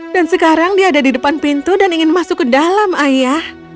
dan sekarang dia ada di depan pintu dan ingin masuk ke dalam ayah